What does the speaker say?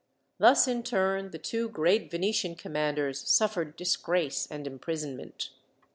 Thus, in turn, the two great Venetian commanders suffered disgrace and imprisonment.